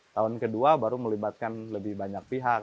tahun kedua baru melibatkan lebih banyak pihak